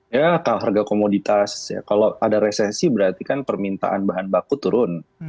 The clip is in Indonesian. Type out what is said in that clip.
ya harga komoditas kalau ada resesi berarti kan permintaan bahan baku turun